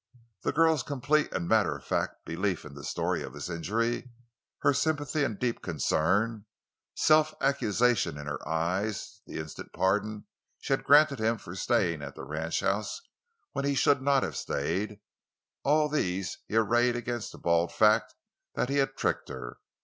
The girl's complete and matter of fact belief in the story of his injury; her sympathy and deep concern; the self accusation in her eyes; the instant pardon she had granted him for staying at the ranchhouse when he should not have stayed—all these he arrayed against the bald fact that he had tricked her.